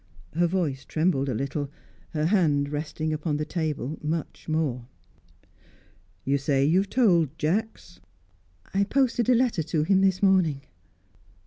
Her voice trembled a little; her hand, resting upon the table, much more. "You say you have told Jacks?" "I posted a letter to him this morning."